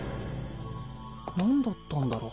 何だったんだろ？